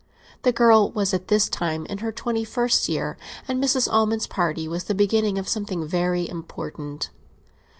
The girl was at this time in her twenty first year, and Mrs. Almond's party was the beginning of something very important.